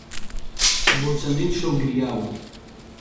بۆ چەندین شەو گریام.